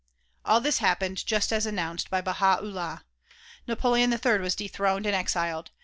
All this happened just as announced by Baha 'Ullah. Napoleon III was dethroned and exiled.